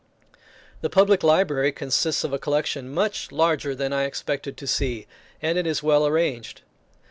The public library consists of a collection much larger than I expected to see; and it is well arranged.